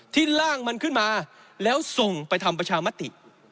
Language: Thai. ร่างมันขึ้นมาแล้วส่งไปทำประชามติ